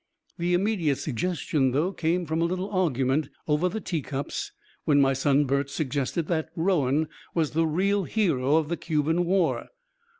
The immediate suggestion, though, came from a little argument over the teacups when my son Bert suggested that Rowan was the real hero of the Cuban war.